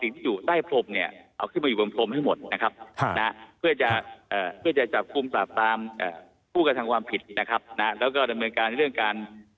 ภูติการฐังความผิดนะครับแล้วก็ระเมินการเรื่องการ